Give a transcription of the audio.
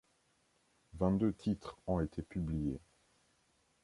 Vingt-deux titres ont été publiés.